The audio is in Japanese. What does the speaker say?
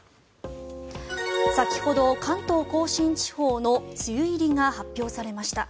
先ほど関東・甲信地方の梅雨入りが発表されました。